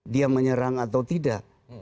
dia menyerang atau tidak